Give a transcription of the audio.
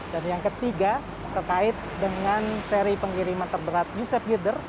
dan yang ketiga terkait dengan seri pengiriman terberat yusef gider